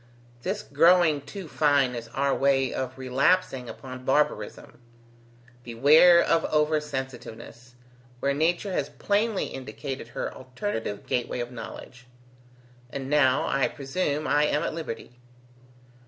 This growing too fine is our way of relapsing upon barbarism. Beware of over sensitiveness, where nature has plainly indicated her alternative gateway of knowledge. And now, I presume, I am at liberty."